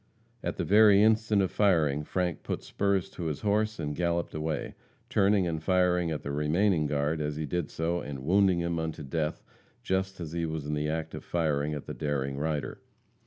At the very instant of firing, Frank put spurs to his horse and galloped away, turning and firing at the remaining guard as he did so, and wounding him unto death just as he was in the act of firing at the daring rider.